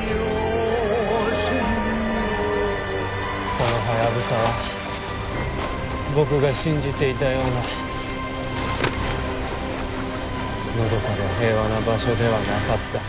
このハヤブサは僕が信じていたようなのどかで平和な場所ではなかった。